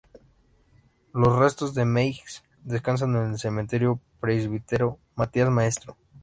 Los restos de Meiggs descansan en el Cementerio Presbítero Matías Maestro.